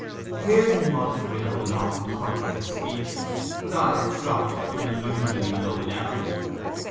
Here the modest widow long pondered his speeches, with eyes dropped to an unusually low level.